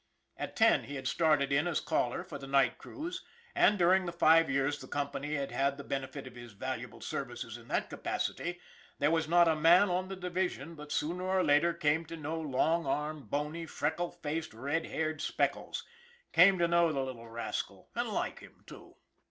At ten he had started in as caller for the night crews, and, during the five years the company had had the benefit of his valuable services in that capacity, there was not a man on the division but sooner or later came to know long armed, bony, freckled faced, red haired Speckles came to know the little rascal, and like him, too.